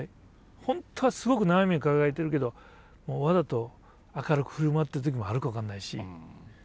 本当はすごく悩みを抱えてるけどわざと明るく振る舞っている時もあるか分かんないし。